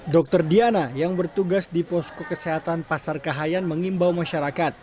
dokter diana yang bertugas di posko kesehatan pasar kahayan mengimbau masyarakat